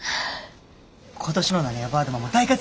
今年のなにわバードマンも大活躍やったな。